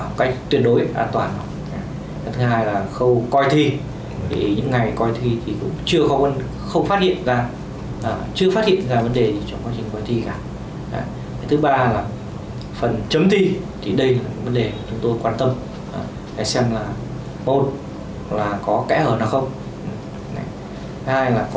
hãy xem là một là có kẽ hở nào không hai là có điều chỉnh gì trong vấn đề này không